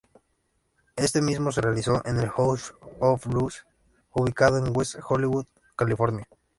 Este mismo se realizó en el House of Blues, ubicado en West Hollywood, California.